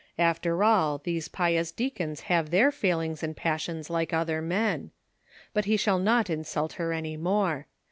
After all, these pious deacons have their failings and passions like other men ; but he shall not insult her any more.